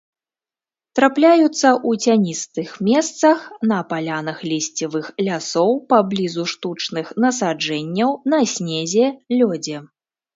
Трапляюцца ў цяністых месцах, на палянах лісцевых лясоў, паблізу штучных насаджэнняў, на снезе, лёдзе.